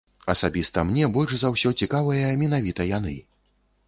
Асабіста мне больш за ўсё цікавыя менавіта яны.